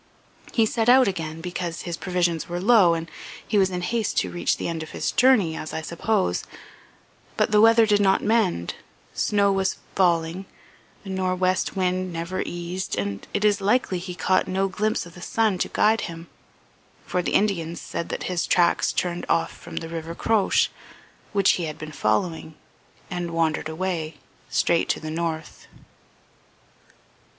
He set out again because his provisions were low and he was in haste to reach the end of his journey, as I suppose; but the weather did not mend, snow was falling, the nor'west wind never eased, and it is likely he caught no glimpse of the sun to guide him, for the Indians said that his tracks turned off from the river Croche which he had been following and wandered away, straight to the north."